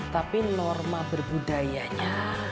tapi norma berbudayanya